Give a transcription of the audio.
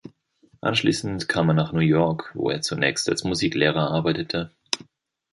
Anschließend kam er nach New York, wo er zunächst als Musiklehrer arbeitete.